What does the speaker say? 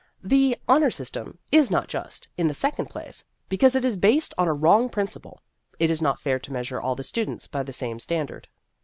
The " Honor System" is not just, in the second place, because it is based on a wrong prin ciple. It is not fair to measure all the students by the same standard.